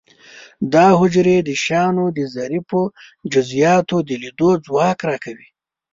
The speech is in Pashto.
دا حجرې د شیانو د ظریفو جزئیاتو د لیدلو ځواک را کوي.